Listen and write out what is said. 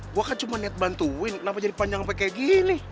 gue kan cuma niat bantuin kenapa jadi panjang sampai kayak gini